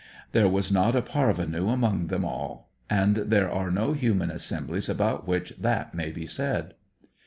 There was not a parvenu among them all; and there are no human assemblies about which that may be said.